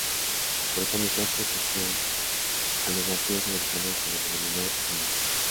Por esa misma equivocación a los nativos americanos se les denominó indios.